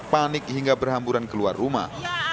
panik hingga berhamburan keluar rumah